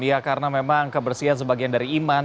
ya karena memang kebersihan sebagian dari iman